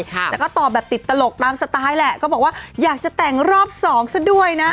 แต่ก็ตอบแบบติดตลกตามสไตล์แหละก็บอกว่าอยากจะแต่งรอบสองซะด้วยนะ